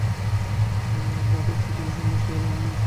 এ-ধরনের ধাঁধার পেছনে সময় নষ্ট করার আমি কোনো অর্থ দেখছি না।